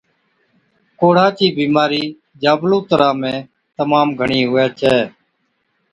ڪوڙها چِي بِيمارِي جابلُون تران ۾ تمام گھڻِي هُوَي ڇَي